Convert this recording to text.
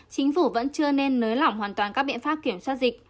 chính phủ vẫn chưa nên nới lỏng hoàn toàn các biện pháp kiểm soát dịch